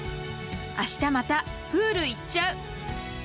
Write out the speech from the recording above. あしたまた、プール行っちゃう。